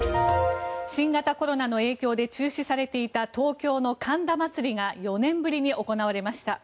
新型コロナの影響で中止されていた東京の神田祭が４年ぶりに行われました。